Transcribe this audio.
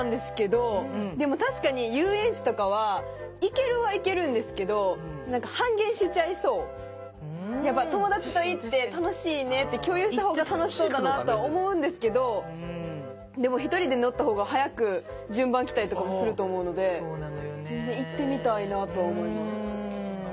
ってマインドなんですけどでも確かにやっぱ友達と行って楽しいねって共有した方が楽しそうだなとは思うんですけどでもひとりで乗った方が早く順番来たりとかもすると思うので全然行ってみたいなとは思います。